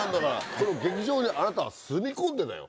この劇場にあなたは住み込んでだよ。